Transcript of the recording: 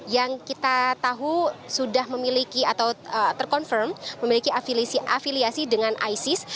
yang kita tahu sudah memiliki atau terkonfirm memiliki afiliasi dengan isis